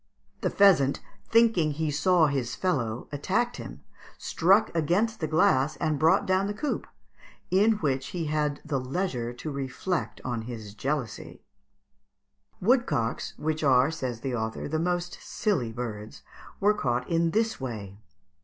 The pheasant, thinking he saw his fellow, attacked him, struck against the glass and brought down the coop, in which he had leisure to reflect on his jealousy (Fig. 163). Woodcocks, which are, says the author, "the most silly birds," were caught in this way.